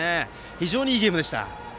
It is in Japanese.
非常にいいゲームでした。